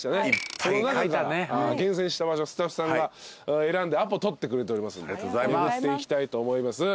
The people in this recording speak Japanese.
その中から厳選した場所スタッフさんが選んでアポ取ってくれておりますんで巡っていきたいと思います。